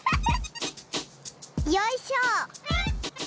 よいしょ！